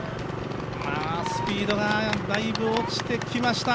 スピードがだいぶ落ちてきました。